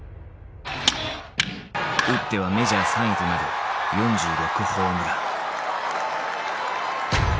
打ってはメジャー３位となる４６ホームラン。